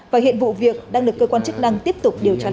và hiện vụ việc đang được cơ quan chức năng tiếp tục điều tra làm rõ